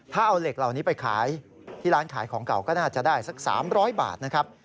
ถ้าเอาเหล็กเหล่านี้ไปขายที่ร้านขายของเก่าก็น่าจะได้สัก๓๐๐บาทนะครับ